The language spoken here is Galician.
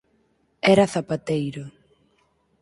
Era zapateiro.